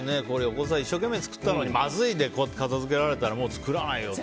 奥さん一生懸命作ったのにまずいで片づけられたらもう作らないよって。